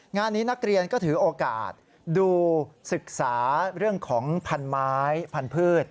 งานนี้นักเรียนก็ถือโอกาสดูศึกษาเรื่องของพันไม้พันธุ์พืช